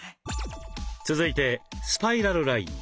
続いてスパイラルライン。